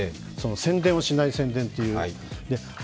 宣伝をしない宣伝という。